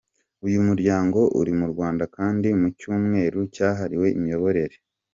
Uyu muryango uri mu Rwanda kandi mu “cyumweru cyahariwe imiyoborere”.